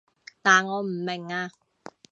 但我唔明啊